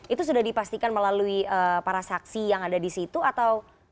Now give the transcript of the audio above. itu sudah dipastikan melalui para saksi yang ada di situ atau